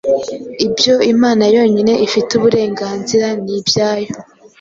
Ibyo Imana yonyine ifite uburenganzira ni ibyayo